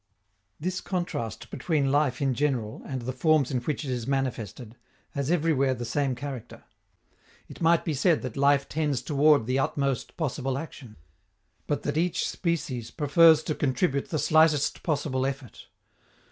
This contrast between life in general, and the forms in which it is manifested, has everywhere the same character. It might be said that life tends toward the utmost possible action, but that each species prefers to contribute the slightest possible effort.